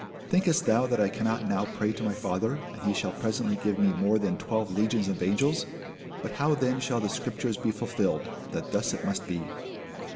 Thinkest thou that I cannot now pray to my Father, and he shall presently give me more than twelve legions of angels? But how then shall the scriptures be fulfilled, that thus it must be?